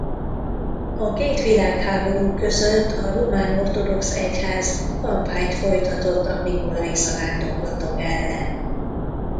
A két világháború között a román ortodox egyház kampányt folytatott a mikolai zarándoklatok ellen.